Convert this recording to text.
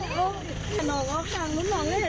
หล่อแม่รับปัญชาหรอ